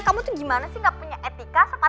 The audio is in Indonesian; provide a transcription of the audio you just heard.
kamu tuh gimana sih gak punya etika sepan santun hah